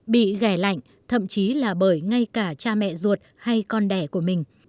bị ghe lạnh thậm chí là bởi ngay cả cha mẹ ruột hay con đẻ của mình